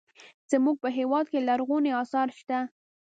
زموږ په هېواد کې لرغوني اثار شته.